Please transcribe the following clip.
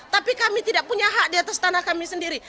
tapi kami tidak punya hak di atas tanah kami sendiri